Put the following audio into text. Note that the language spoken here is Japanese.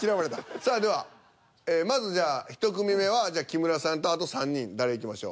さあではまずじゃあ１組目は木村さんとあと３人誰いきましょう。